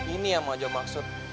ini yang bang ojo maksud